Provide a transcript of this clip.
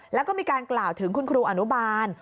แล้วก็มีการกล่าวถึงคุณครูอนุบาล